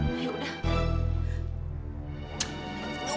masuk ke dapur